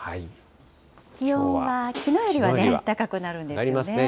気温はきのうよりは高くなるんですね。